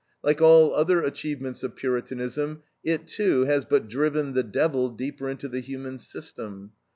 Like all other achievements of Puritanism it, too, has but driven the "devil" deeper into the human system.